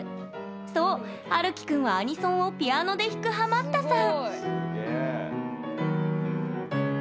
そう、はるき君はアニソンをピアノで弾くハマったさん。